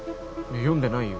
読んでないよ